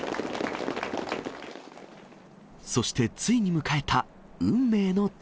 そして、ついに迎えた運命の時。